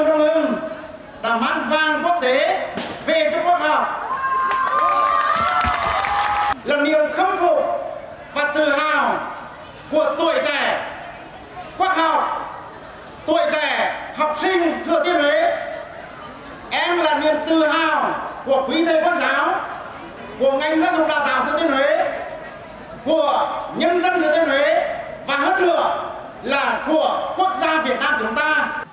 của nhân dân thừa thiên huế và hơn nữa là của quốc gia việt nam chúng ta